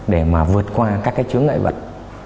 để mà vượt qua các cái chướng ngại vật